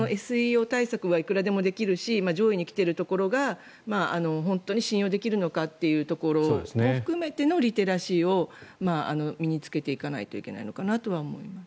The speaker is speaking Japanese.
ＳＥＯ対策はいくらでもできるし上位に来ているところが本当に信用できるのかというところも含めてのリテラシーを身に着けていかないといけないのかなとは思います。